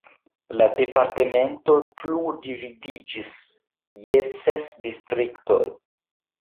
La departemento plu dividiĝis je ses distriktoj.